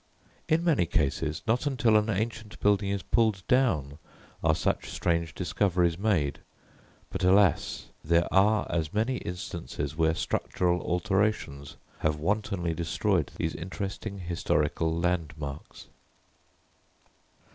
In many cases not until an ancient building is pulled down are such strange discoveries made; but, alas! there are as many instances where structural alterations have wantonly destroyed these interesting historical landmarks.